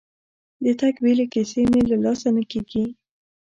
د تګ بیلې کیسې مې له لاسه نه کېږي.